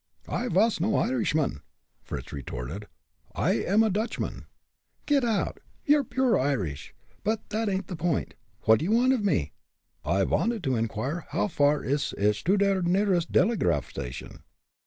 "I vas no Irishman!" Fritz retorted. "I am a Dutchman." "Get out! You're pure Irish. But that ain't the point. What do you want of me?" "I vanted to inquire how far it ish to der nearest delegraph station?"